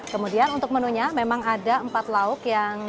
kemudian untuk menunya memang ada empat lauk yang